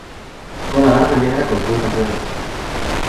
Cola larga negra con puntas blancas.